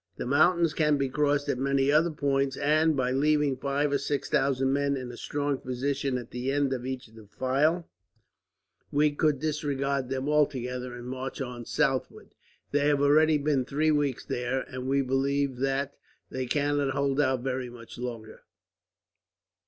The mountains can be crossed at many other points and, by leaving five or six thousand men in a strong position at the end of each defile, we could disregard them altogether, and march on southward. They have already been three weeks there, and we believe that they cannot hold out very much longer.